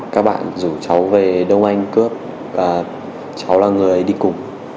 các bạn rủ cháu về đông anh cướp cháu là người đi cùng